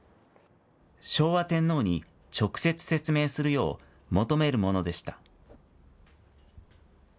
昭和天皇に直接説明するよう求めるものでした。